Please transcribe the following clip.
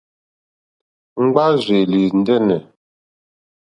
Ŋɡbárzèlì ndɛ́nɛ̀.